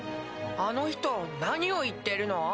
あの人何を言ってるの？